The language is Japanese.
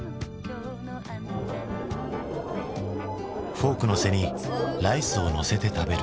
フォークの背にライスをのせて食べる。